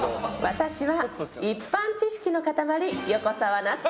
私は一般知識の塊横澤夏子